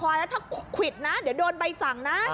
แล้วถ้าควิดเมื่อกินนะถ้าโดนไปสั่งนะคะ